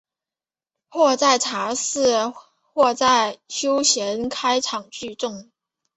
或在茶肆或在野闲开场聚众。